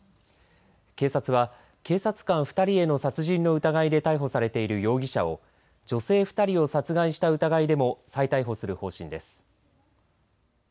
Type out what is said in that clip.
警察は、警察官２人への殺人の疑いで逮捕されている容疑者を女性２人を殺害した疑いでも再逮捕する方針です。